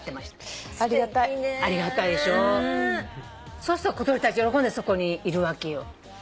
そうすると小鳥たち喜んでそこにいるわけよ。